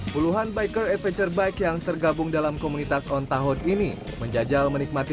puluhan biker adventure bike yang tergabung dalam komunitas on tahun ini menjajal menikmati